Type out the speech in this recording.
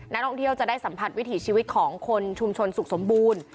นักท่องเที่ยวจะได้สัมผัสวิถีชีวิตของคนชุมชนสุขสมบูรณ์